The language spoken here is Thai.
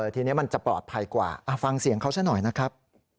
ทีนี้มันจะปลอดภัยกว่าฟังเสียงเขาซะหน่อยนะครับ